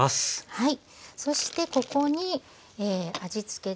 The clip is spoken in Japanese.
はい。